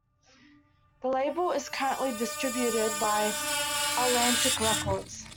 The label is currently distributed by Atlantic Records.